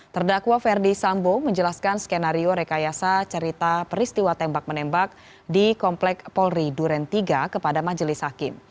terdakwa ferdi sambo menjelaskan skenario rekayasa cerita peristiwa tembak menembak di komplek polri duren tiga kepada majelis hakim